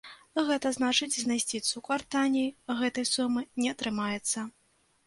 Гэта значыць, знайсці цукар танней гэтай сумы не атрымаецца.